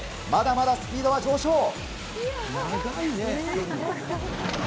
まだまだスピードは上昇。